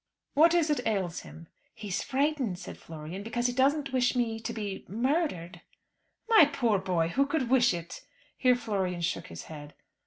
"What is it ails him?" "He's frightened," said Florian, "because he doesn't wish me to be murdered." "My poor boy! Who could wish it?" Here Florian shook his head.